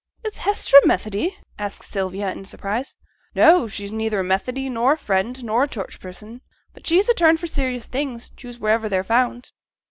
'Is Hester a Methodee?' asked Sylvia in surprise. 'No! she's neither a Methodee, nor a Friend, nor a Church person; but she's a turn for serious things, choose wherever they're found.'